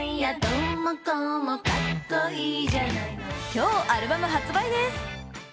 今日アルバム発売です。